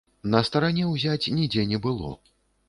На старане ўзяць нідзе не было.